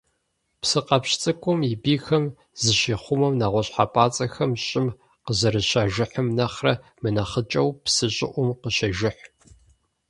Псыкъэпщ цӀыкӀум, и бийхэм зыщихъумэу, нэгъуэщӀ хьэпӀацӀэхэм щӀым къызэрыщажыхьым нэхърэ мынэхъыкӀэу псы щӀыӀум къыщежыхь.